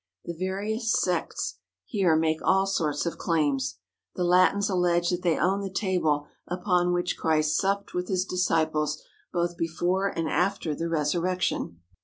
The various sects here make all sorts of claims. The Latins allege that they own the table upon which Christ supped with His disciples both before and after the Resurrection.